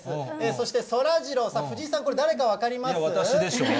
そしてそらジロー、さあ、藤井さいや、私でしょう。